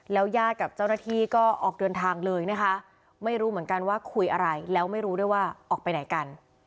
ยาดกับเจ้าหน้าที่ก็ออกเดินทางเลยนะคะไม่รู้เหมือนกันว่าคุยอะไรแล้วไม่รู้ด้วยว่าออกไปไหนกัน